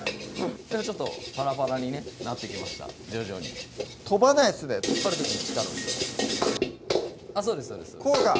ちょっとパラパラにねなってきました徐々に飛ばないっすね引っ張る時に力を入れる感じでこうか！